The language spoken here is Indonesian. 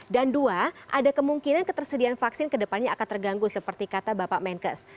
dan dua ada kemungkinan ketersediaan vaksin ke depannya akan terganggu seperti kata bapak menkes